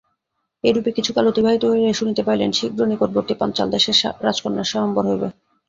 এইরূপে কিছুকাল অতিবাহিত হইলে শুনিতে পাইলেন, শীঘ্র নিকটবর্তী পাঞ্চাল দেশের রাজকন্যার স্বয়ম্বর হইবে।